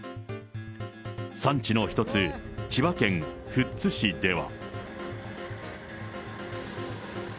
産地の一つ、千葉県富津市では。